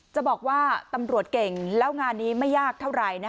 จะบอกว่าตำรวจเก่งแล้วงานนี้ไม่ยากเท่าไหร่